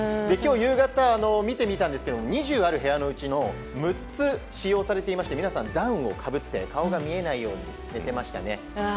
今日、夕方見てみましたが２０ある部屋のうちの６つ使用されていまして皆さん、ダウンをかぶって顔が見えないように寝ていましたね。